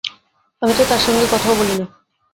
আমি তো তাঁর সঙ্গে কথাও বলি না!